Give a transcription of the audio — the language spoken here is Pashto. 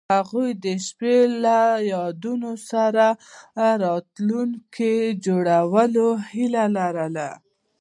هغوی د شپه له یادونو سره راتلونکی جوړولو هیله لرله.